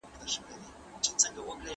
تولستوی د هرې کلمې په مانا پوهېده.